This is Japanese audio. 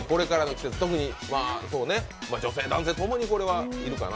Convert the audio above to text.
特に女性、男性共にこれは要るかな。